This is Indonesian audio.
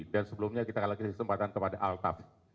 dan sebelumnya kita kasih kesempatan kepada altaf